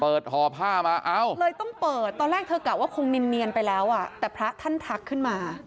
ห่อผ้ามาเอ้าเลยต้องเปิดตอนแรกเธอกะว่าคงเนียนไปแล้วอ่ะแต่พระท่านทักขึ้นมา